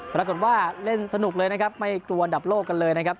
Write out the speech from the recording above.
ปรากฏว่าเล่นสนุกเลยนะครับไม่กลัวอันดับโลกกันเลยนะครับ